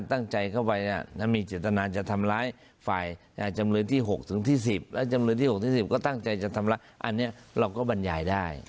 อันนี้เราก็บรรยายได้